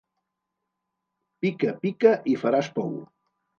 Pica, pica i faràs pou.